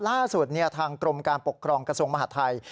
ล่าสุดทางกรมการปกครองกระทรวงมหาทัย